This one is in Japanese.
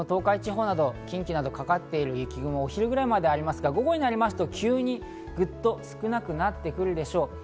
東海地方など近畿にかかっている雪雲、お昼くらいまでありますが、午後になりますと急にグっと少なくなってくるでしょう。